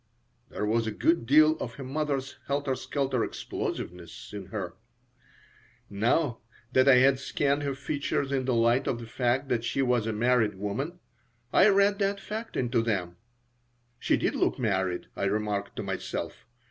There was a good deal of her mother's helter skelter explosiveness in her Now, that I had scanned her features in the light of the fact that she was a married woman, I read that fact into them. She did look married, I remarked to myself.